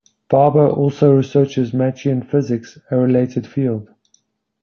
Barbour also researches Machian physics, a related field.